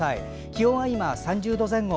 気温は今、３０度前後。